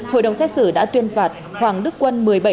hội đồng xét xử đã tuyên phạt hoàng đức quân một mươi bảy năm tù về tử vong